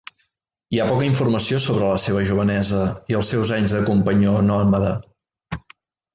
Hi ha poca informació sobre la seva jovenesa i els seus anys de companyó nòmada.